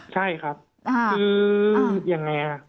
ใช่ครับคืออย่างไร